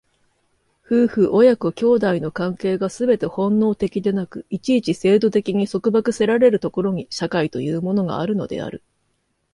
夫婦親子兄弟の関係がすべて本能的でなく、一々制度的に束縛せられる所に、社会というものがあるのである。